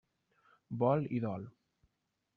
Vol i dol.